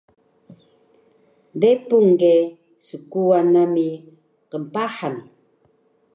Repun ge skuwan nami knpahan